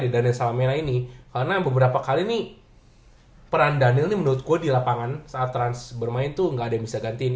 karena gue di daniel salamena ini karena beberapa kali nih peran daniel nih menurut gue di lapangan saat ranz bermain tuh nggak ada yang bisa gantiin